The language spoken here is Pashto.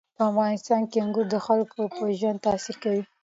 په افغانستان کې انګور د خلکو پر ژوند تاثیر کوي.